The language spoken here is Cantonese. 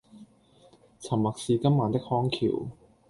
沉默是今晚的康橋